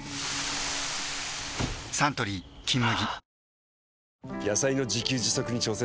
サントリー「金麦」